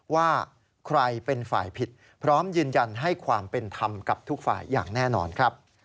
ว่าใครเป็นฝ่ายผิดพร้อมยืนยันให้ความเป็นธรรมกับทุกฝ่ายอย่างแน่นอนครับ